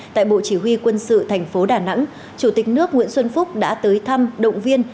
tại bộ chỉ huy quân sự thành phố đà nẵng chủ tịch nước nguyễn xuân phúc đã tới thăm động viên